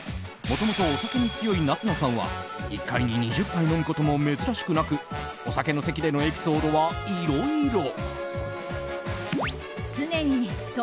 もともと、お酒に強い夏菜さんは１回に２０杯飲むことも珍しくなくお酒の席でのエピソードはいろいろ。